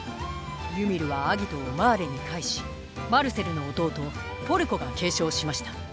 ユミルは「顎」をマーレに返しマルセルの弟ポルコが継承しました。